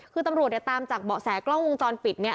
คือตำรวจเนี่ยตามจากเบาะแสกล้องวงจรปิดเนี่ย